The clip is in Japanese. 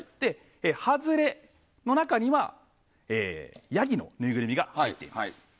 外れの中にはヤギのぬいぐるみが入っています。